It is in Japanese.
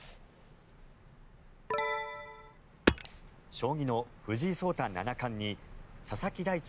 将棋の藤井聡太七冠に佐々木大地